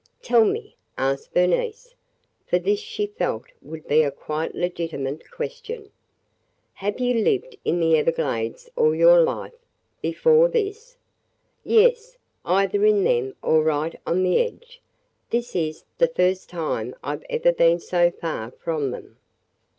"Tell me," asked Bernice, for this she felt would be a quite legitimate question, "have you lived in the Everglades all your life – before this?" "Yes, either in them or right on the edge. This is the first time I 've ever been so far from them."